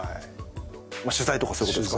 取材とかそういうことですか？